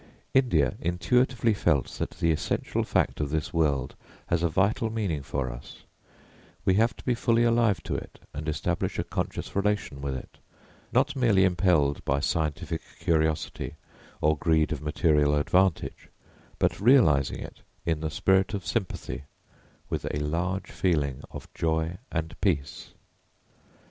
India intuitively felt that the essential fact of this world has a vital meaning for us; we have to be fully alive to it and establish a conscious relation with it, not merely impelled by scientific curiosity or greed of material advantage, but realising it in the spirit of sympathy, with a large feeling of joy and peace.